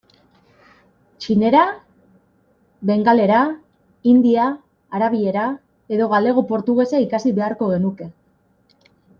Txinera, bengalera, hindia, arabiera, edo galego-portugesa ikasi beharko genuke.